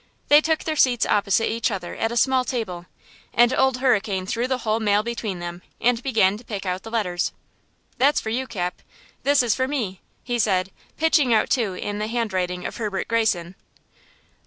They took their seats opposite each other at a small table, and Old Hurricane threw the whole mail between them, and began to pick out the letters. "That's for you, Cap. This is for me," he said, pitching out two in the handwriting of Herbert Greyson.